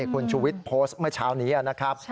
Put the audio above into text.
คุณชูวิทย์โพสต์เมื่อเช้านี้นะครับ